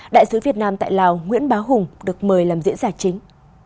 đại sứ việt nam tại lào nguyễn bá hùng được mời làm diễn giải chính